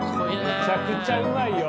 めちゃくちゃうまいよ。